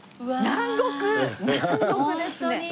南国ですね。